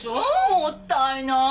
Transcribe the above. もったいない！